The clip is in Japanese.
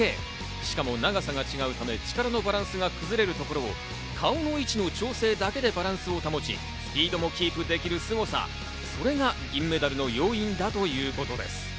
しかも長さが違うため力のバランスが崩れるところを顔の位置の調整だけでバランスを保ち、スピードもキープできるすごさ、それが銀メダルの要因だということです。